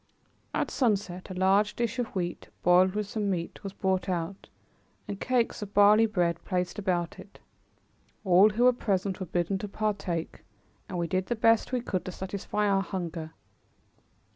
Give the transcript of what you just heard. At sunset a large dish of wheat, boiled with some meat, was brought out, and cakes of barley bread placed about it. All who were present were bidden to partake, and we did the best we could to satisfy our hunger.